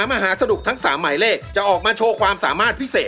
พักสักครู่